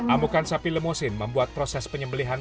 amukan sapi lemosin membuat proses penyembelihan